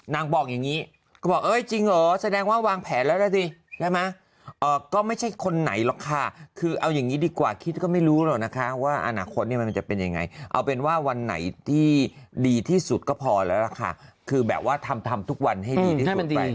บอกอย่างนี้ก็บอกเอ้ยจริงเหรอแสดงว่าวางแผนแล้วนะสิใช่ไหมก็ไม่ใช่คนไหนหรอกค่ะคือเอาอย่างนี้ดีกว่าคิดก็ไม่รู้หรอกนะคะว่าอนาคตเนี่ยมันจะเป็นยังไงเอาเป็นว่าวันไหนที่ดีที่สุดก็พอแล้วล่ะค่ะคือแบบว่าทำทำทุกวันให้ดีที่สุดไป